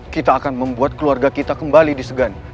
kita akan membuat keluarga kita kembali disegan